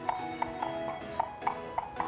udah ganti tangan